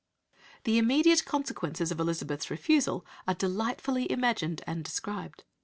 The immediate consequences of Elizabeth's refusal are delightfully imagined and described.